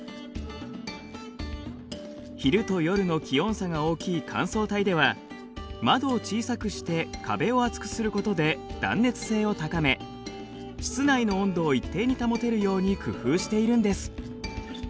昼と夜の気温差が大きい乾燥帯では窓を小さくして壁を厚くすることで断熱性を高め室内の温度を一定に保てるように工夫しているんです。